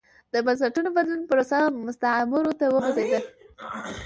د بنسټونو بدلون پروسه مستعمرو ته وغځېده.